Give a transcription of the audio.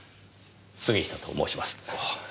杉下と申します。